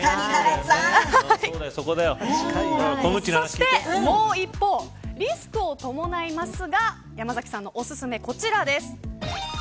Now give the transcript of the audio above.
そしてもう一方リスクを伴いますが山崎さんのおすすめはこちらです。